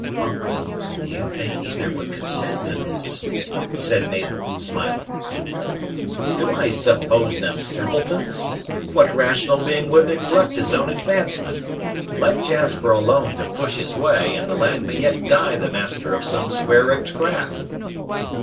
"Uncle, do you think either would consent to this?" said Mabel smiling. "Do I suppose them simpletons? What rational being would neglect his own advancement? Let Jasper alone to push his way, and the lad may yet die the master of some square rigged craft."